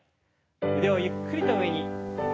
腕をゆっくりと上に。